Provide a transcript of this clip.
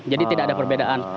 jadi tidak ada perbedaan